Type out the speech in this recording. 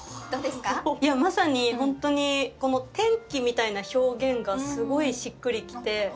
いやまさに本当にこの天気みたいな表現がすごいしっくりきて。